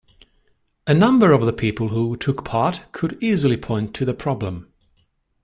A number of the people who took part could easily point to the problem